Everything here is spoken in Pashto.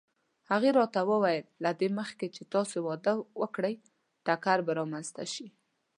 هغې راته وویل: له دې مخکې چې تاسې واده وکړئ ټکر به رامنځته شي.